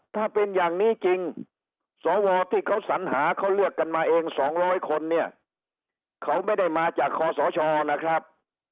ถ้าเป็นอย่างนี้จริงสวที่เขาสัญหาเขาเลือกกันมาเอง๒๐๐คนเนี่ยเขาไม่ได้มาจากคอสชนะครับ